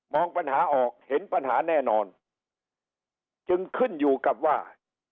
ปัญหาออกเห็นปัญหาแน่นอนจึงขึ้นอยู่กับว่า